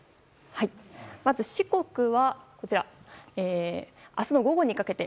まず、四国は明日の午後にかけて。